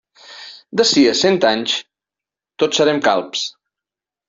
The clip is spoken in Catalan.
D'ací a cent anys tots serem calbs.